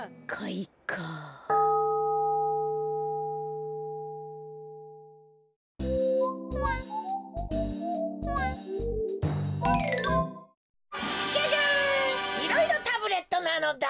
いろいろタブレットなのだ。